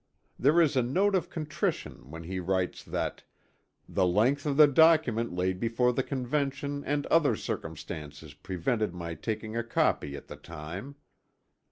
There is a note of contrition when he writes that "the length of the document laid before the Convention and other circumstances prevented my taking a copy at the time."